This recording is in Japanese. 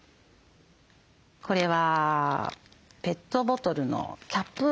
これはペットボトルのキャップ。